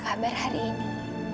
tuller dan rotaji